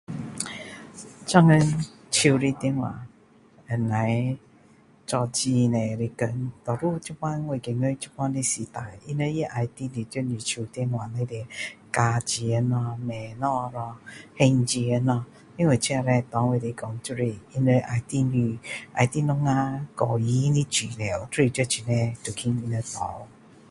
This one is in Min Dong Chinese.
现今手的电话能够做很多的工多数现在我觉得现在的时代他们也要在你手电话里面加钱咯买东西咯还钱咯因为这叻对我来说要你就是要我们个人的资料就是在这里都被他们拿掉